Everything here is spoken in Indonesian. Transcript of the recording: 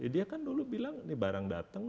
dia kan dulu bilang nih barang datang